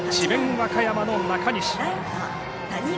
和歌山の中西。